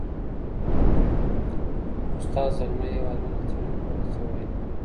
استاد زلمی هېوادمل د څېړني په اړه څه وایي؟